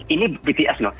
ini bts loh